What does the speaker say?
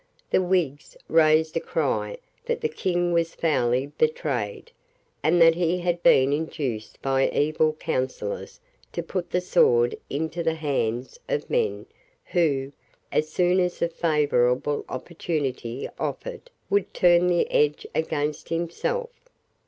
The Whigs raised a cry that the King was foully betrayed, and that he had been induced by evil counsellors to put the sword into the hands of men who, as soon as a favourable opportunity offered, would turn the edge against himself.